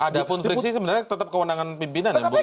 ada pun friksi sebenarnya tetap kewenangan pimpinan ya bukan